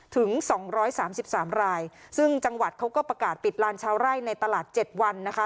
ถึง๒๓๓รายซึ่งจังหวัดเขาก็ประกาศปิดลานชาวไร่ในตลาด๗วันนะคะ